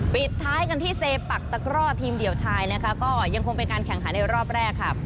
ปิดท้ายกันที่เซปักตะกร่อทีมเดี่ยวชายนะคะก็ยังคงเป็นการแข่งขันในรอบแรกค่ะ